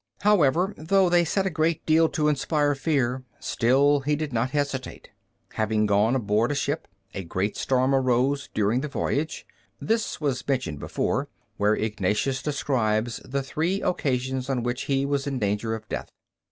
However, though they said a great deal to inspire fear, still he did not hesitate. Having gone aboard a vessel, a great storm arose during the voyage. This was mentioned before, where Ignatius describes the three occasions on which he was in danger of death.